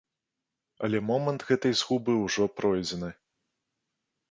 Але момант гэтай згубы ўжо пройдзены.